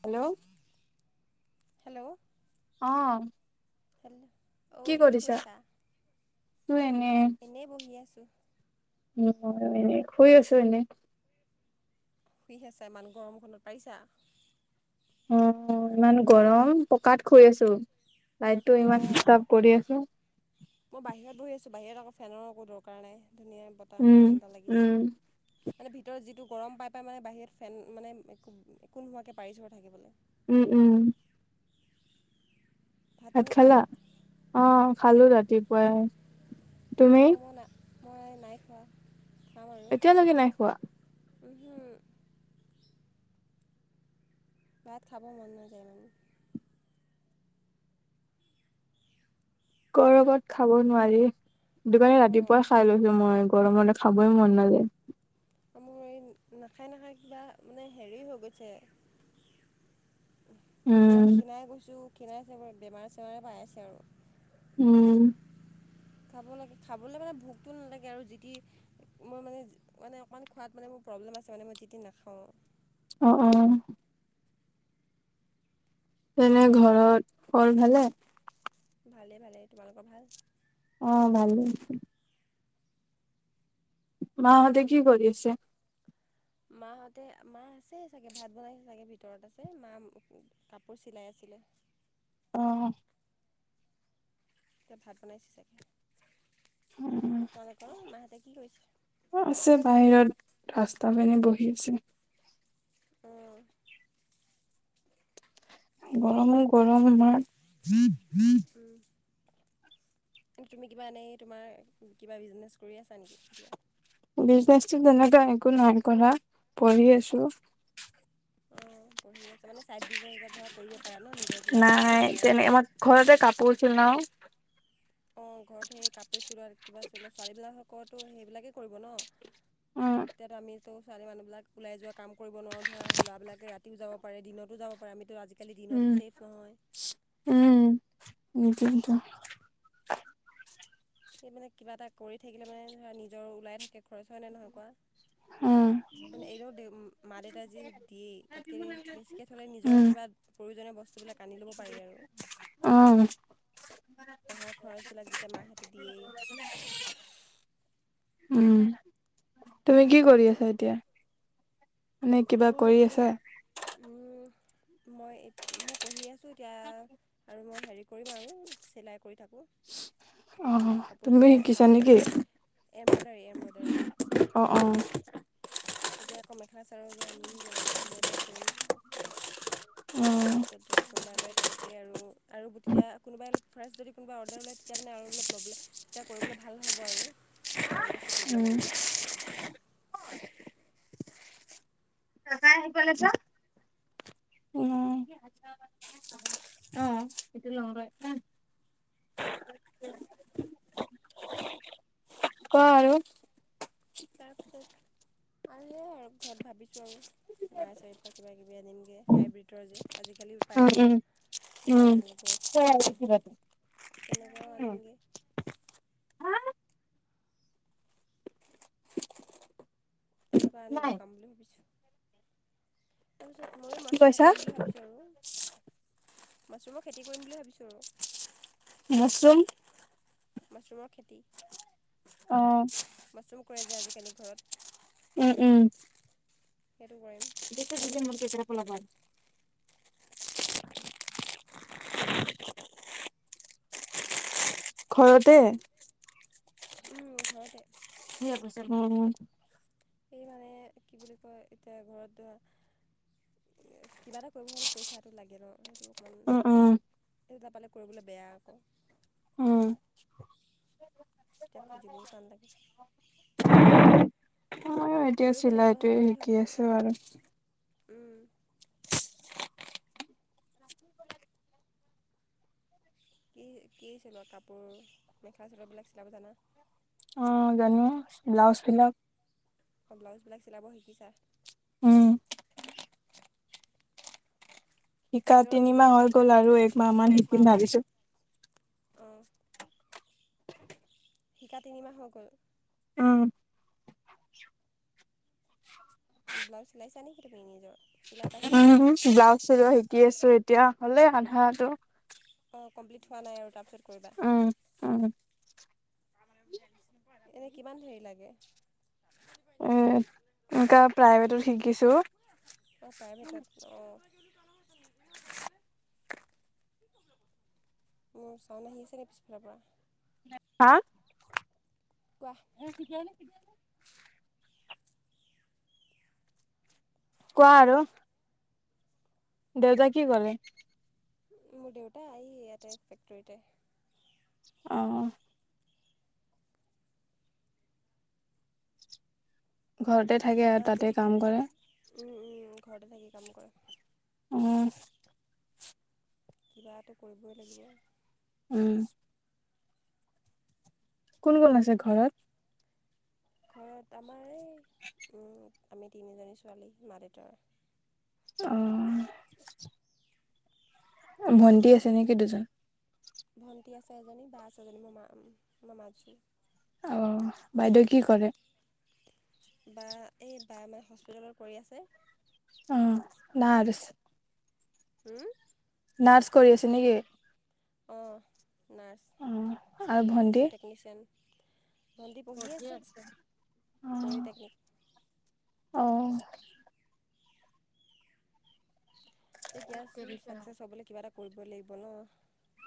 Hello hello অ hello অঔ কি কৰিছা তো এনে এনেই বহি আছো উ এনে শুই আছো এনেই শুই আছা ইমান গৰমখনত পাৰিছা অ ইমান গৰম পকাত শুই আছো লাইটতো ইমান অঁ দিচষ্টাপ কৰি আছে মই বাহিৰত বহি আছোঁ বাহিৰত আকৌ ফেনৰ একো দৰকাৰ নাই ধুনীয়া বতাহ উম ঠাণ্ডা লাগিছে উম মানে ভিতৰত যিটো গৰম পাই পাই মানে বাহিৰত ফেন মানে একো একো নোহোৱাকৈ পাৰিছোঁ আৰু থাকিবলৈ উম উম ভাত খালা অ খালো ৰাতিপুৱাই তুমি অঁ মই না মই নাই খোৱা এতিয়ালৈকে নাই খোৱা উহ ভাত খাব মন নাযায় মানে গৰমত খাব নোৱাৰি হেতোকানে ৰাতিপুৱা অঁ খাই লৈছো মই গৰমতে খাবয়ে মন নযায় মোৰ এই নাখায় নাখায় কিবা মানে হেৰি হৈ গৈছে মানে উম খীণাই গৈছোঁ খীণাই আছে বেমাৰে চেমাৰে পাই আছে আৰু উম খাব লাগে খাবলৈ মানে ভোকটো নালাগে আৰু যিটি মই মানে মানে অকণমান খোৱাত মানে মোৰ প্ৰব্লেম আছে মানে মই যিতি নাখাও অ অ অ তেনে ঘৰত কল ভালে ভালেই ভালেই তোমালোকৰ ভাল অ ভালে আছে মাহতে কি কৰি আছে মাহতে মা আছে চাগে ভাত বনাই চাগে ভিতৰত আছে মা কাপোৰ চিলাই আছিল [unintelligible] অ এতিয়া ভাত বনাইছে চাকে অ তোমালোকৰ মাহতে কি কৰিছে তাপ এনে বহি আছে অঁ গৰমো গৰম আমাৰ উম তুমি কিবা এনেই তোমাৰ কিবা বিজনেছ কৰি আছা নেকি এতিয়া বিজনেছো তেনেকুৱা একো নাই কৰা পঢ়ি আছো অ পঢ়ি আছা মানে চাইড বিজনে এটা ধৰা কৰিব পাৰা ন নিজৰ কিবা এটা উলিয়াব নাই পাৰা তেনে আমাৰ ঘৰতে কাপোৰছিল ন অ ঘৰত সেই কাপোৰ চিলোৱা কিবা চোৱা ছোৱালী বিলাকতো সেইবিলাকে কৰিব ন উম এতিয়াতো আমি তো ছোৱালী মানুহবিলাক ওলাই যোৱা কাম কৰিব নোৱাৰো ধৰা ল'ৰাবিলাকে ৰাতিও যাব পাৰে দিনতো যাব পাৰে আমিতো আজি উম উম [inaudible] সেই মানে কিবা এটা কৰি থাকিলে মানে ধৰা নিজৰ ওলাই থাকে খৰচ হয় নে নহয় উম কুৱা এনেও মা দেউতাই যিহে দিয়ে তাতকে বেছিকৈ থ'লে নিজৰে উম কিবা প্ৰয়োজনীয় বস্তুবিলাক আনি ল'ব পাৰি আৰু অ পঢ়াৰ খৰচবিলাক যেতিয়া মাহঁতে দিয়েই উম তুমি কি কৰি আছা এতিয়া মানে কিবা মই কৰি এতিয়া আছা উম মই, মই, পঢ়ি আছোঁ এতিয়া আৰু মই, হেৰি কৰিম আৰু চিলাই কৰি থাকো অ [unintelligible] তুমি শিকিছা নেকি? এমব্ৰডাৰী এমব্ৰডাৰী অ', অ', এতিয়া আকৌ মেখেলা চাদৰযোৰ আনিমগৈ মানে এম্ব্ৰইডাৰী কৰিমগৈ উম, তাৰপিছত যদি কোনোবাই লয়, তেনেকৈ আৰু তেতিয়া কোনোবাই ফাৰ্ষ্ট যদি কোনোবাই অৰ্ডাৰ লয় তেতিয়া মানে আৰু ভাল হ'ব আৰু এ আৰু বেছি কৰিবলৈ উম মন যাব নাই [unintelligible] এটোয়া লং ৰই ক আৰু আৰু তাৰ পিছত আৰু সয়াই আৰু ঘৰত ভাবিছো আৰু নাৰ্চাৰীৰ পৰা কিব-কিবি আনিমগৈ হাইব্ৰীিডৰ যে আজিকালি পায় উম উম ন উম ফলমূল গছ [inaudible] তেনেকৈও আনিমগৈ তেনেকুৱা আনি লগাম বুলি ভাবিছো তাৰপিছত- ময়ো কি মাছৰুম কৈছা কৰিম বুলি ভাবিছো আৰু মাছৰুমৰ খেতি কৰিম বুলি ভাবিছো আৰু মছৰুম মছৰুমৰ খেতি উম [unintelligible] কৰে যে আজিকালি ঘৰত উম, উম, সেইটো কৰিম [unintelligible] ঘৰতে উম, ঘৰতে [unintelligible] এই মানে কি বুলি কয়, এতিয়া ঘৰত ধৰা কিবা এটা কৰিব হ'লে পইচাটো লাগে ন সেইটো উম অকণমান নাপালে কৰিবলৈ বেয়া আকৌ উ এতিয়া খুজীবও টান লাগে ময়ো এতিয়া কৰিব লাগিব চিলাইটোএ নহ'লে কি শিকি হ'বনো আছো আৰু উম, কি কি চিলোৱা কাপোৰ মেখেলা চাদৰ বিলাক চিলাব জানা? অ', ানো ব্লাউজ বিলাক অ', ব্লাউজবিলাক চিলাব শিকিছা উম শিকা নিজৰ নিজৰ তিনিমাহ হৈ চিলো গ'ল আৰু এক মাহ মান শিকিম ভাবিছো অঁ শিকা তিনিমাহ হৈ গ'ল উম ব্লাউজ চিলাইছা নেকি তুমি নিজৰ চিলাই পাইছা উ ব্লাউজ চিলোৱা শিকি আছো এতিয়া হলে আধাটো অ', কমপ্লিট হোৱা নাই আৰু তাৰপিছত কৰিবা উম উম এনেই কিমান হেৰি লাগে উম, এনেকুৱা প্ৰাইভেটত শিকিছো প্ৰাইভেটত অ', মোৰ চাৱন আহি আছে নেকি পিছ ফালৰ পৰা হা, কোৱা এনে শিকায় নে কেতিয়াবা কোৱা আৰু। দেউতাই কি কলে? মোৰ দেউতা এ ইয়াতে ফেক্টৰীতে। অহ। ঘৰতে থাকে আৰু কিবাটো তাতে কাম কৰে। ঘৰতে থাকি কাম কৰে। উম। কিবা এটা কৰিবই লাগিব। উম। কোন কোন হয় আছে নহয় ঘৰত? ঘৰত আমাৰ এই আমি তিনিজনী ছোৱালী মা দেউতাৰ অহ ভন্টি আছে নেকি দুজন। ভণ্টি আছে এজনী বা আছে এজনী মই মা মই মাজু। আহ বাইদেউ কি কৰে? বা এই বা [unintelligible] হস্পিটেলৰ কৰি আছে। উম নাৰ্চ। হম। নাৰ্চ কৰি আছে নেকি? অ', নাৰ্চ অ আ চি আৰু উ টেকনিচিয়ান। ভণ্টি পঢ়ি পঢ়িয়েই আছে, অহ, পলিটেকনিক অহ। [unintelligible] চাকচেচ হব কিবা এটা কৰিবই লাগিব ন।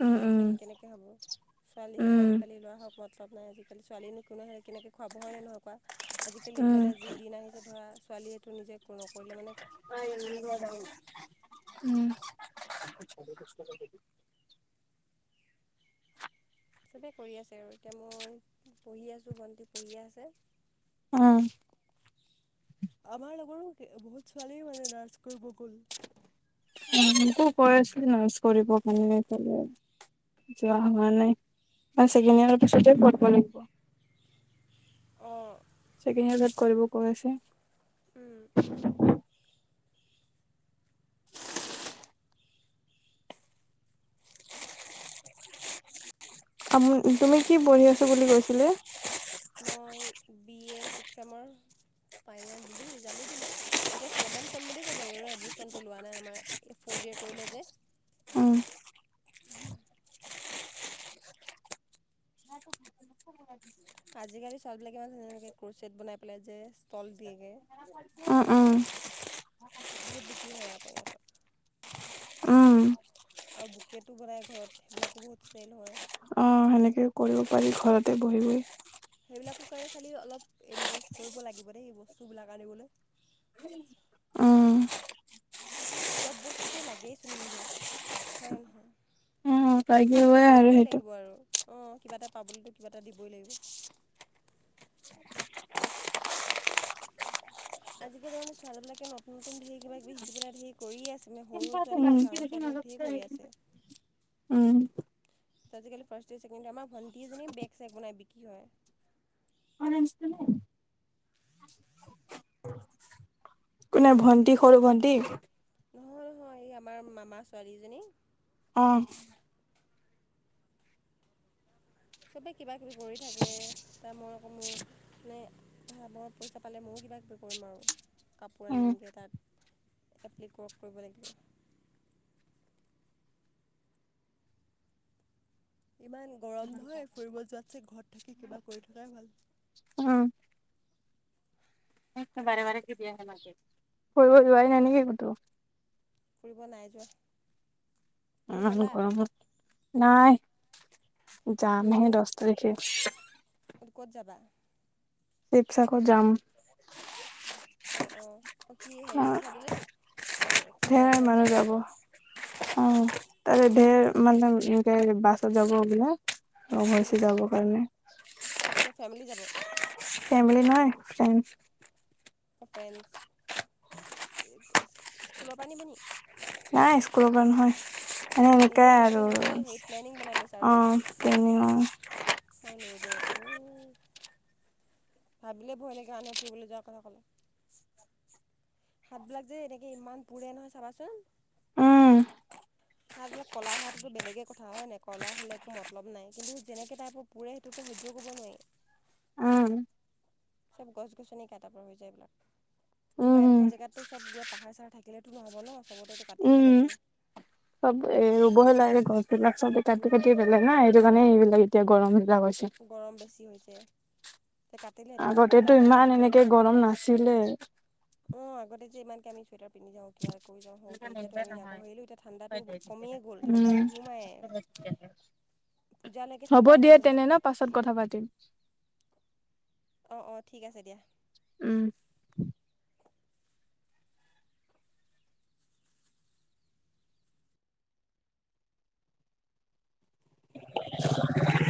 উম উম কেনেকৈ হ'ব ছোৱালী হওক উম আজিকালি ল'ৰা হওক মতলব নাই আজি আজিকালি ছোৱালীনো কো নহলে কেনেকৈ খোৱাব হয় নহয় কোৱা আজিকালি উম মানে যি দিন আহিছে ধৰা ছোৱালীয়েটো নিজে নকৰিলে মানে ক'ত খাব। উম। চবেই কৰি আছে আৰু এতিয়া মই পঢ়ি আছোঁ ভণ্টি পঢ়িয়ে আছে। অহ। আমাৰ লগৰো বহুত ছোৱালীয়ে মানে নাৰ্চ কৰিব গ'ল। অ মোকো কৈ আছিল নাৰ্চ কৰিবৰ কাৰণে যোৱা হোৱা নাই। ছেকেণ্ড ইয়াৰ পিছততে পঢ়িব লাগিব। অ',। ছেকেণ্ড ইয়াৰ কৰিব কৈ আছে। উম। আ', তুমি কি পঢ়ি আছো বুলি কৈছিলে। মই বি এ ছিক্স চেমৰ ফাইনেল দিলোঁ ৰিজাল্টটো দিলোঁ এতিয়া ছেভেন চেম বুলি ক'ব পাৰি আৰু এডমিশ্যনটো লোৱা নাই আমাৰ এই ফ'ৰ্থ কৰিলে যে। উম আজিকালি ছোৱালবিলাক ইমান ধকৈ ক্ৰোচট বনাই পেলাই যে ষ্টল দিয়েগৈ। উ, উ। বহুত বিক্ৰী হয় আকৌ ইহঁতৰ। উম আৰু বুকেটো বনায় ঘৰত সেইবিলাকো বহুত চেল হয়। অ সেনেকে পাৰি ঘৰতে বহি বহি সেইবিলাকৰ কাৰে খালী অলপ ইনভেষ্ট কৰিব লাগিব দেই সেই বস্তুবিলাক আনিবলৈ। উম। চব বস্তুতে লাগেই চোন ইনভেষ্ট হয় নহয়। অ', তাকে য়ে আৰু সেইটো। অ', কিবা এটা পাবতো কিবা এটা দিবই লাগিব আজিকালি মানে ছোৱালীবিলাকে নতুন নতুন ঢেৰ কিবা কিব শিকি পেলাই ঢেৰ কৰিয়ে আছে। মানে সৰু সৰু উম, ছোৱালী হওক ডাঙৰ ছোৱালী হওক ধেৰ কৰি আছে উম। আজিকালি ফাৰ্ষ্ট ডে, ছেকেণ্ড ডে আমাৰ ভণ্ট এজনী বেগ চেগ বনাই বিক্ৰী হয়। কোনে? ভণ্টি, সৰু ভণ্টি? নহয়, নহয় এই আমাৰ মামাৰ ছোৱালীজনী। অ'। চবে কিবা কিবি কৰি থাকে, তাৰ মই আকৌ মোৰ মানে [unintelligible] পইচা পালে মোৰো কিবা কিবি কৰিম আৰু, কাপোৰ উম, আনিমগে তাত এপ্লিকৰ্ক কৰিব লাগিব। [inaudible] ইমান গৰম নহয়, ফুৰিব যোৱাতছে ঘৰত থাকি কিবা কৰি থকাই ভাল। অহ। [unintelligible] ফুৰিব যোৱাই নাই নেকি ক'তো? ফুৰিব নাই যোৱা। তুমি গ'লা [unintelligible] নাই। যাম হে দহ তাৰিখে। ক'ত ক'ত যাবা? শিৱসাগৰ যাম। অ', অ'। কি হেৰি অ', চাবলৈ নি এই ধেৰ ৰংঘৰ, মানুহ যাব কাৰেংঘৰ? অ', তাৰে ধেৰ মানে একে বাছত যাব বোলে। লগ হৈছে যাব কাৰণে। ত ফেমিলি যাব ফেমিলি নহয়, ফ্ৰেণ্ড। ফ্ৰেণ্ড, স্কুলৰ পৰা নিবনি? নাই, স্কুলৰ পৰা নিজে তোমালোকে নহয়। নিজে হেৰি এনেই প্লেনিং বনাই লৈছা [unintelligible] আৰু। অ', ট্ৰেইনিঙৰ। [unintelligible] ভাবিলে ভয় লাগে, আনে ফুৰিবলৈ যোৱাৰ কথা ক'লে। হাতবিলাক যে, এনেকে ইমান পোৰে নহয় চাবাচোন উম, হাতবিলাক কলা হোৱাটোতো বেলেগে কথা হয় নাই? কলা হলে একো মতলব নাই, কিন্তু যেনেকে টাইপৰ পুৰে সেইটোতো সহ্য কৰিব নোৱাৰি। উম। চব গছ-গছনি কাটাৰ পৰা হৈ যায় এইবিলাক। কোনবা উম, এডশৰ জেগাতো চব পোৰা পাহাৰ চাহাৰ থাকিলেতো নহ'ব নহ, চবতেটো কাটিয়ে উম। পেলাইছে। চব, এ ৰুব হে লাগে গছ বিলাক। চবে কাটি ৰুবহে কাটি লাগে পেলেই নহ, সেইটো কাৰণে এইবিলাক এতিয়া গৰম হৈছে। বিলাক গৰম বেছি হৈছে। কাটিলে সিহঁতি ৰুবও আগতেটো, লাগে ন ইমান এনেকে গৰম নাছিলে অ', আগতে যে ইমানকে আমি চুৱেটাৰ পিন্ধি থাকোঁ, কিবা এটা [unintelligible] এতিয়াটো আমি ডাঙৰ হৈ আহিলো, এতিয়া ঠাণ্ডাটো কমিয়ে গ'ল ঠাণ্ডা উম নোসোমাইয়ে [inaudible] হ'ব দিয়া তেনেহলে, পাছত কথা পাতিম। অ', অ', ঠিক আছে দিয়া। উম। [inaudible]